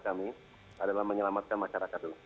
kami adalah menyelamatkan masyarakat dulu